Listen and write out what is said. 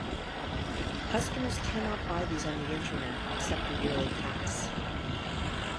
Customers cannot buy these on the Internet except the yearly pass.